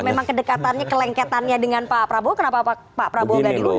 kalau memang kedekatannya kelengketannya dengan pak prabowo kenapa pak prabowo gak diundang waktu itu